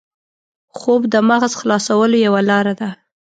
خوب د مغز خلاصولو یوه لاره ده